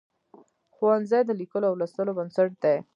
ښوونځی د لیکلو او لوستلو بنسټ دی.